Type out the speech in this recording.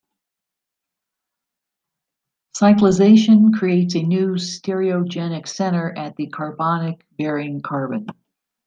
Cyclization creates a new stereogenic center at the carbonyl-bearing carbon.